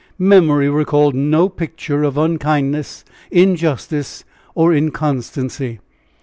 Memory recalled no picture of unkindness, injustice or inconstancy.